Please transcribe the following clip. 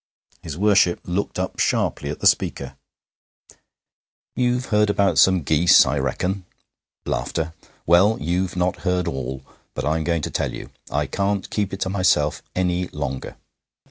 His Worship looked up sharply at the speaker. 'You've heard about some geese, I reckon. Well, you've not heard all, but I'm going to tell you. I can't keep it to myself any longer.